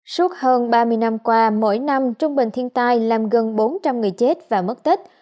suốt hơn ba mươi năm qua mỗi năm trung bình thiên tai làm gần bốn trăm linh người chết và mất tích